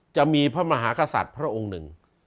จะมีพระมหากษัตริย์พระองค์หนึ่ง